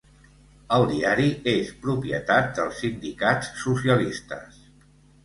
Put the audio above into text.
El diari és propietat dels sindicats socialistes.